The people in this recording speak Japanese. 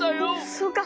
そうか。